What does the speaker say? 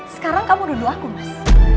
sekarang kamu duduk aku mas